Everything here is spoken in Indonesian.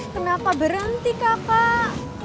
kenapa berhenti kakak